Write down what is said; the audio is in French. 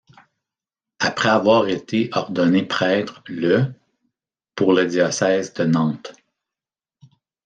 Après avoir été ordonné prêtre le pour le diocèse de Nantes.